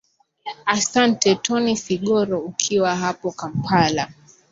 asante tony sigoro ukiwa hapo kampala